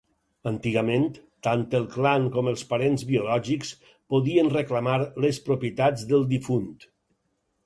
Antigament, tant el clan com els parents biològics podien reclamar les propietats del difunt.